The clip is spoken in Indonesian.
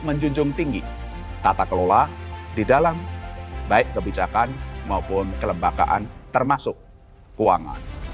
menjunjung tinggi tata kelola di dalam baik kebijakan maupun kelembagaan termasuk keuangan